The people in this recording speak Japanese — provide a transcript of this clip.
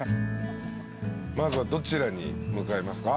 まずはどちらに向かいますか？